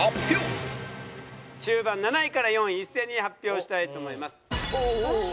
中盤７位から４位一斉に発表したいと思います。